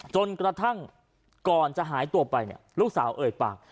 จนกระทั่งก่อนจะหายตัวไปเนี่ยลูกสาวเอ่ยปาก